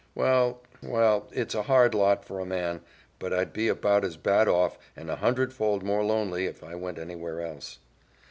Well, well, it's a hard lot for a man; but I'd be about as bad off, and a hundred fold more lonely, if I went anywhere else.